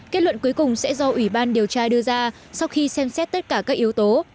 kết luận cuối cùng sẽ do ủy ban điều tra đưa ra sau khi xem xét tất cả các yếu tố